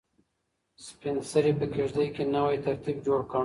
سپین سرې په کيږدۍ کې نوی ترتیب جوړ کړ.